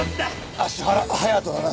芦原隼人だな？